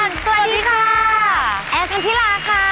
สดุดีมหาราชแห่งชาติไทยรัฐ